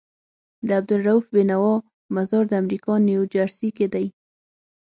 د عبدالروف بينوا مزار دامريکا نيوجرسي کي دی